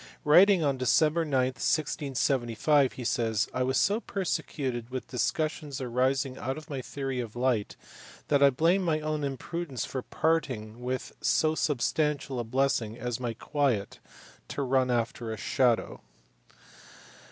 Writing on Dec. 9, 1675, he says, "I was so persecuted with discussions arising out of iny theory of light, that I blamed my own imprudence for parting with so substantial a blessing as my quiet to run after a shadow."